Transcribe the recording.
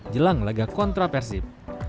jelang laga kontra persik